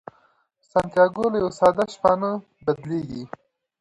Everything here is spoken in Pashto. سانتیاګو له یوه ساده شپانه بدلیږي.